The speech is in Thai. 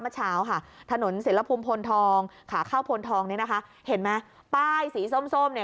ขาข้าวโพนทองนี้นะคะเห็นไหมป้ายสีส้มเนี่ย